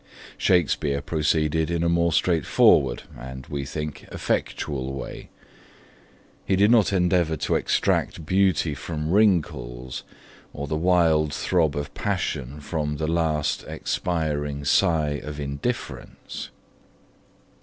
Shakespeare proceeded in a more straightforward and, we think, effectual way. He did not endeavour to extract beauty from wrinkles, or the wild throb of passion from the last expiring sigh of indifference.